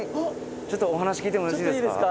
ちょっとお話聞いてもよろしいですか？